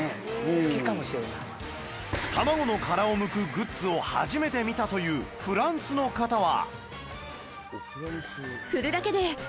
卵の殻を剥くグッズを初めて見たというフランスの方は